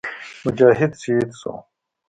مجاهد شهید شو.